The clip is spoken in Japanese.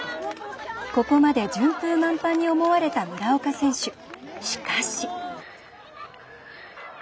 ここまで順風満帆に思われた村岡選手。